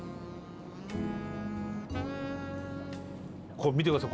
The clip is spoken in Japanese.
これ見てください。